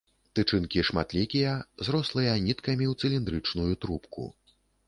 Тычынкі шматлікія, зрослыя ніткамі ў цыліндрычную трубку.